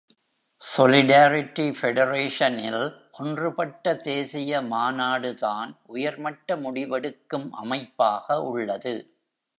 Solidarity Federation-இல் ஒன்றுபட்ட தேசிய மாநாடுதான் உயர்மட்ட முடிவெடுக்கும் அமைப்பாக உள்ளது.